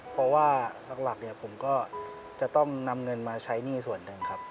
เพราะว่าหลักเนี่ยผมก็จะต้องนำเงินมาใช้หนี้ส่วนหนึ่งครับ